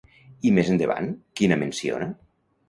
I més endavant, quina menciona?